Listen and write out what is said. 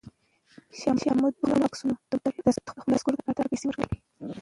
شاه محمود د خپلو عسکرو د ملاتړ لپاره پیسې ورکړې.